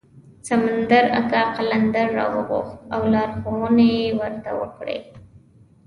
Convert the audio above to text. سمندر اکا قلندر راوغوښت او لارښوونې یې ورته وکړې.